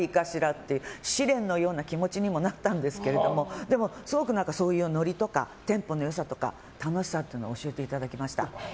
って試練のような気持ちにもなったんですけれどもすごくそういうノリとかテンポの良さとか楽しさを教えていただきました。